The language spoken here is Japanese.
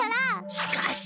しかし。